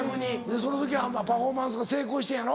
その時はパフォーマンス成功してんやろ？